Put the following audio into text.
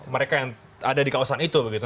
mereka yang ada di kawasan itu begitu